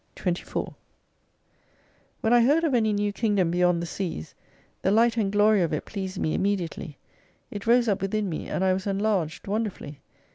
24 When I heard of any new kingdom beyond the seas, the light and glory of it pleased me immediately, it rose up within me, and I was enlarged wonderfully.